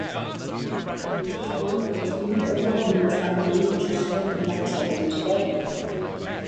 It is one of the few Oklahoma tribal languages spoken by children today.